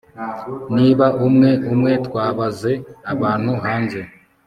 Niba umwe umwe twabaze abantu hanze